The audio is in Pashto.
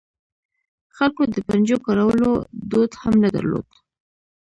خلکو د پنجو کارولو دود هم نه درلود.